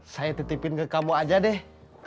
saya titipin ke kamu aja deh